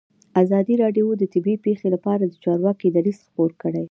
ازادي راډیو د طبیعي پېښې لپاره د چارواکو دریځ خپور کړی.